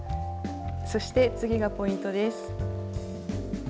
そして次がポイントです。